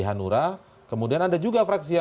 hanura kemudian ada juga fraksi yang